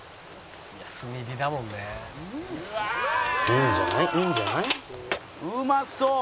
「炭火だもんね」いいんじゃない？いいんじゃない？